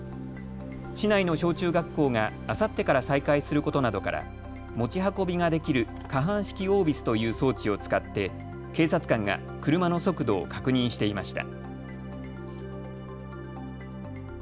市内の小中学校があさってから再開することなどから持ち運びができる可搬式オービスという装置を使って警察官が車の速度を確認していました。